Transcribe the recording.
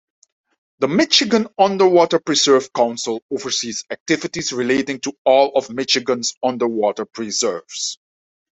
The Michigan Underwater Preserve Council oversees activities relating to all of Michigan's Underwater Preserves.